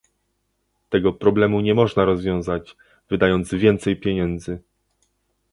Tego problemu nie można rozwiązać, wydając więcej pieniędzy